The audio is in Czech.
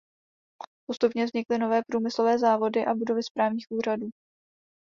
Postupně vznikly nové průmyslové závody a budovy správních úřadů.